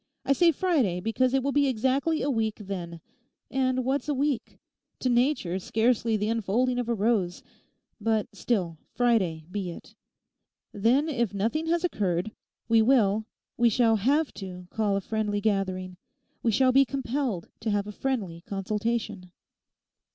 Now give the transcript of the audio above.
I say Friday because it will be exactly a week then. And what's a week?—to Nature scarcely the unfolding of a rose. But still, Friday be it. Then, if nothing has occurred, we will, we shall have to call a friendly gathering, we shall be compelled to have a friendly consultation.